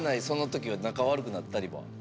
その時は仲悪くなったりは？